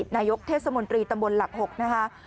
นายกเทศมนตรีตำบลหลัก๖นะคะ